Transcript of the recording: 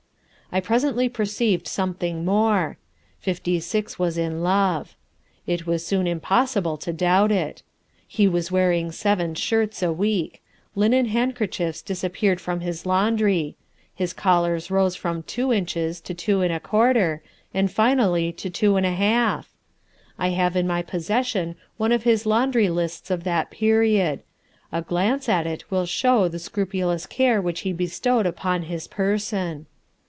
I presently perceived something more; Fifty Six was in love. It was soon impossible to doubt it. He was wearing seven shirts a week; linen handkerchiefs disappeared from his laundry; his collars rose from two inches to two and a quarter, and finally to two and a half. I have in my possession one of his laundry lists of that period; a glance at it will show the scrupulous care which he bestowed upon his person.